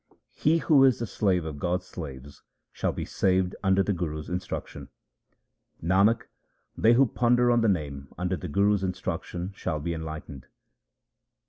He who is the slave of God's slaves shall be saved under the Guru's instruction. Nanak, they who ponder on the Name under the Guru's instruction shall be enlightened.